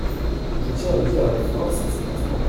Je tiens à le dire avec force à cet instant.